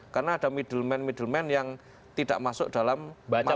karena ada middleman middleman yang tidak masuk dalam mata rantai